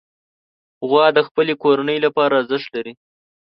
غوا د خپلې کورنۍ لپاره ارزښت لري.